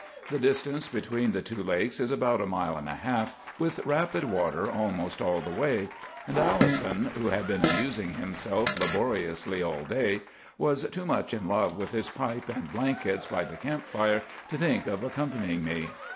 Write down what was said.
The distance between the two lakes is about a mile and a half, with rapid water almost all the way; and Allison, who had been amusing himself laboriously all day, was too much in love with his pipe and blankets by the camp fire to think of accompanying me.